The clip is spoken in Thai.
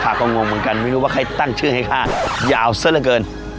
ก็งงเหมือนกันไม่รู้ว่าใครตั้งชื่อให้ข้ายาวซะละเกิน